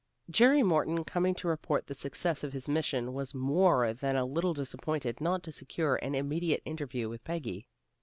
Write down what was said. Jerry Morton, coming to report the success of his mission, was more than a little disappointed not to secure an immediate interview with Peggy.